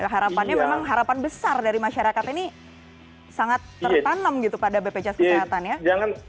harapannya memang harapan besar dari masyarakat ini sangat tertanam gitu pada bpjs kesehatan ya